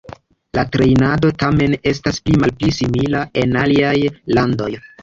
La trejnado tamen estas pli malpli simila en aliaj landoj.